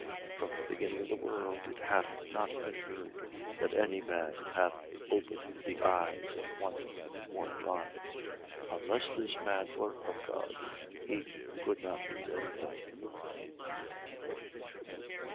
9:32. From the beginning of the world it hath not been heard, that any man hath opened the eyes of one born blind. 9:33. Unless this man were of God, he could not do anything.